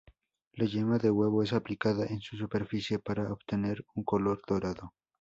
La yema de huevo es aplicada en su superficie para obtener un color dorado.